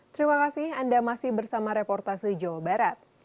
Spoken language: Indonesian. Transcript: terima kasih anda masih bersama reportase jawa barat